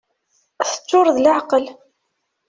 Teččur d leɛqel.